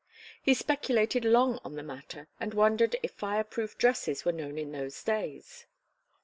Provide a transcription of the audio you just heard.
He speculated long on the matter, and wondered if fire proof dresses were known in those days.